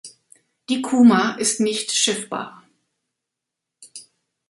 Die Kuma ist nicht schiffbar.